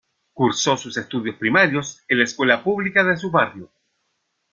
Cursó sus estudios primarios en la escuela pública de su barrio.